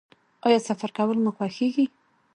ایا سفر کول مو خوښیږي؟